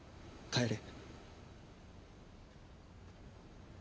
帰れ！